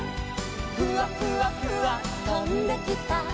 「フワフワフワとんできた」